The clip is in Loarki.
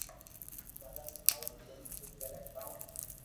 مني ھڻاو ڪو تو ڪري ڪاو ھي